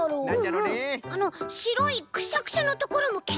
あのしろいクシャクシャのところもきになる。